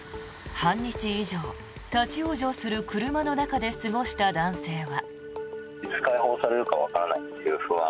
半日以上、立ち往生する車の中で過ごした男性は。